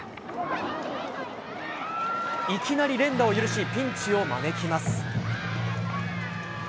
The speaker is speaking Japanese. いきなり連打を許しピンチを招きます。